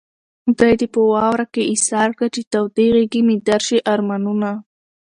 خدای دې په واورو کې ايسار کړه چې د تودې غېږې مې درشي ارمانونه